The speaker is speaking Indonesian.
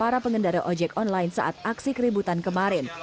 para pengendara ojek online saat aksi keributan kemarin